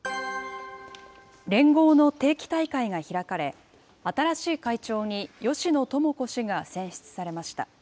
連合の定期大会が開かれ、新しい会長に芳野友子氏が選出されました。